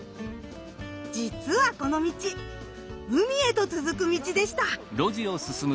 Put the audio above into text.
じつはこの道海へと続く道でした！